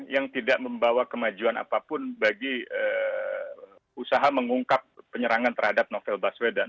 yang tidak membawa kemajuan apapun bagi usaha mengungkap penyerangan terhadap novel baswedan